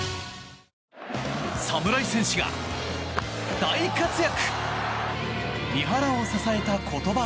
侍戦士が大活躍！